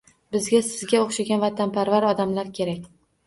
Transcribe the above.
Bizga sizga o‘xshagan vatanparvar odamlar kerak